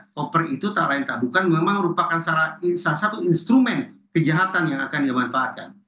koper itu tak lain tak bukan memang merupakan salah satu instrumen kejahatan yang akan dimanfaatkan